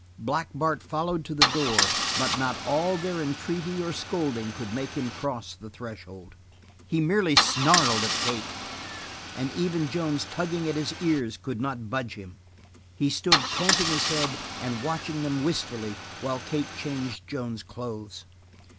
Black Bart followed to the door, but not all their entreaty or scolding could make him cross the threshold. He merely snarled at Kate, and even Joan's tugging at his ears could not budge him. He stood canting his head and watching them wistfully while Kate changed Joan's clothes.